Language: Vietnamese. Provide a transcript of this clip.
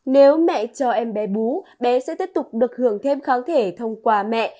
nếu mẹ cho em bé bú bé sẽ tiếp tục được hưởng thêm kháng thể thông qua mẹ